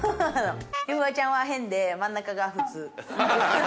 フワちゃんは変で真ん中が普通。